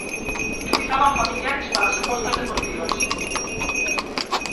Utilizaban familiares para as apostas deportivas.